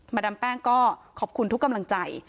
ดามแป้งก็ขอบคุณทุกกำลังใจ